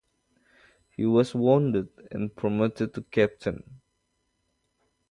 He was wounded and promoted to captain.